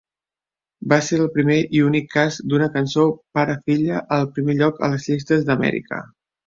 Va ser el primer i únic cas d'una cançó pare-filla al primer lloc a les llistes d'Amèrica.